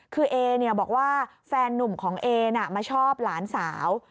คือเอบอกว่าแฟนนุ่มของเอน่ะมาชอบหลานสาว